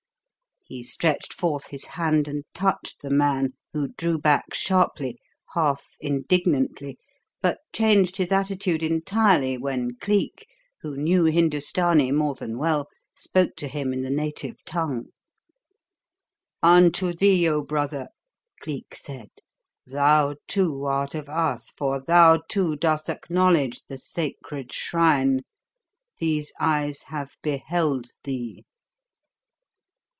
He stretched forth his hand and touched the man, who drew back sharply, half indignantly, but changed his attitude entirely when Cleek, who knew Hindustani more than well, spoke to him in the native tongue. "Unto thee, oh, brother!" Cleek said. "Thou, too, art of us, for thou, too, dost acknowledge the sacred shrine. These eyes have beheld thee."